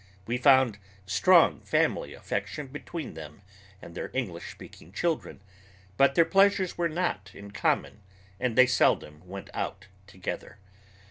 We found strong family affection between them and their English speaking children, but their pleasures were not in common, and they seldom went out together.